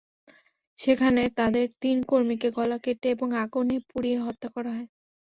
সেখানে তাঁদের তিন কর্মীকে গলা কেটে এবং আগুনে পুড়িয়ে হত্যা করা হয়।